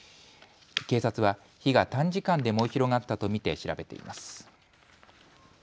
警察は火が短時間で燃え広がったと見て調べています。